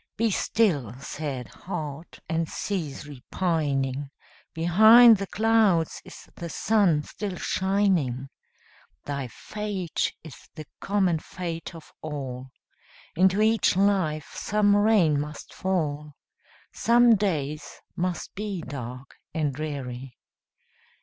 Be still, sad heart! and cease repining; Behind the clouds is the sun still shining; Thy fate is the common fate of all, Into each life some rain must fall, Some days must be dark and dreary.